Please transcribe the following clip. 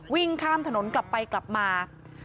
วิ่งข้ามถนนกลับไปกลับมา